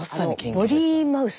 ボディーマウス。